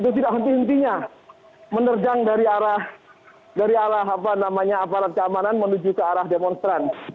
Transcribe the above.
itu tidak henti hentinya menerjang dari arah aparat keamanan menuju ke arah demonstran